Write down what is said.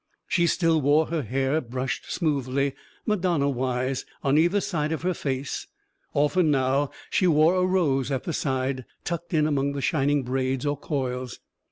She still wore her hair brushed smoothly "Madonna wise" on either side her face; often, now, she wore a rose at the side, tucked in among the shining braids or coils.